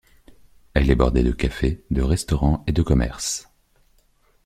Elle est bordée de cafés, de restaurants et de commerces.